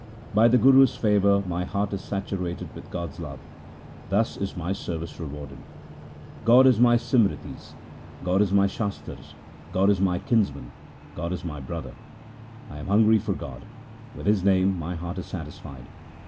By the Guru's favour my heart is saturated with God's love ; thus is my service rewarded. God is my Simritis, God is my Shastars, God is my kinsman, God is my brother. I am hungry for God; with His name my heart is satisfied.